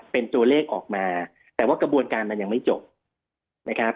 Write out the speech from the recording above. เป็นโจเลขออกมาแต่ว่ากระบวนการมันยังไม่จบ